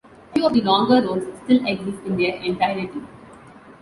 Few of the longer roads still exist in their entirety.